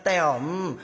うん。